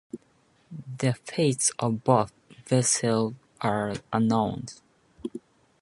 The fates of both vessels are unknown.